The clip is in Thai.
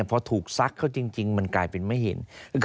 พอถูกซักเขาจริงมันกลายเป็นไม่เห็น